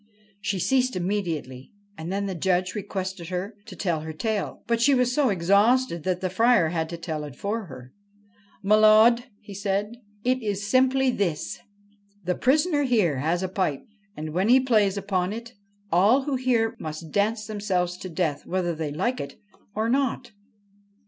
She ceased immediately, and then the Judge requested her to tell her tale ; but she was so exhausted that the Friar had to tell it for her. 1 M'lud,' he said, ' it is simply this : the prisoner here has a pipe, and, when he plays upon it, all who hear must dance themselves to death, whether they like it or not.'